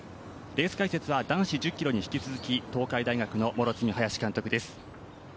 レース解説は男子１０ｋｍに引き続き東海大学の両角速監督です。